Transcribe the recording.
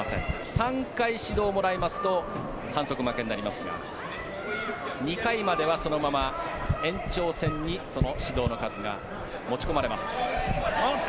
３回指導をもらいますと反則負けになりますが２回までは、そのまま延長戦にその指導の数が持ち込まれます。